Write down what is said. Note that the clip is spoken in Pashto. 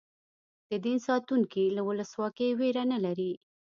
د دین ساتونکي له ولسواکۍ وېره نه لري.